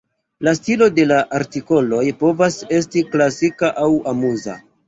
La stilo de la artikoloj povas esti "klasika aŭ amuza".